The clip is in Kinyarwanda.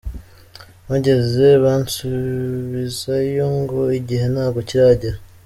Mpageze bansubizayo ngo igihe ntabwo kiragera.